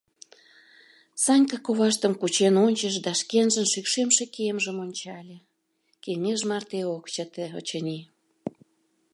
Санька коваштым кучен ончыш да шкенжын шӱкшемше кемжым ончале — кеҥеж марте ок чыте, очыни.